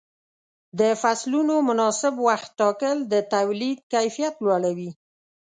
د فصلونو مناسب وخت ټاکل د تولید کیفیت لوړوي.